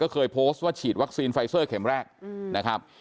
เคยโพสต์ว่าฉีดวัคซีนไฟเซอร์เข็มแรกนะครับ